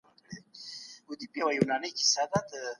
د زده کوونکو د شخصي حفظ الصحې څارنه نه کيده.